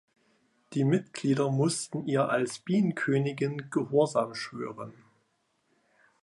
Die Mitglieder mussten ihr als „Bienenkönigin“ Gehorsam schwören.